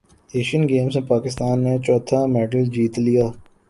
Asian Games میں پاکستان نے چوتھا میڈل جیت لیا